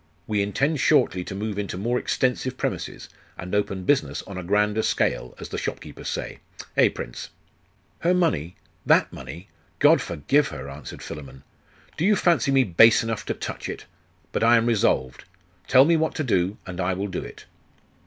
We intend shortly to move into more extensive premises, and open business on a grander scale, as the shopkeepers say, eh, prince?' 'Her money? That money? God forgive her!' answered Philammon. 'Do you fancy me base enough to touch it? But I am resolved. Tell me what to do, and I will do it.